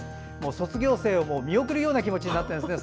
卒業生を見送るような気持ちになってるんですね。